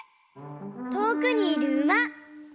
とおくにいるうま。